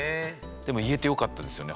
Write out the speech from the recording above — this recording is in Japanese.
でも言えてよかったですよね